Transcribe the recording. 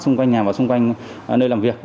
xung quanh nhà và xung quanh nơi làm việc